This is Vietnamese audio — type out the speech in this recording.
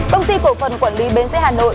công ty cổ phần quản lý bến xe hà nội